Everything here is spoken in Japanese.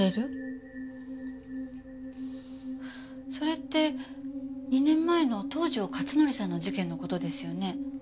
それって２年前の東条克典さんの事件の事ですよね？